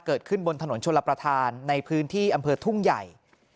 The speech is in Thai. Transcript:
เกิดขึ้นบนถนนชลประธานในพื้นที่อำเภอทุ่งใหญ่